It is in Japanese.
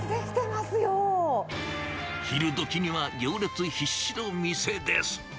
昼どきには行列必至の店です。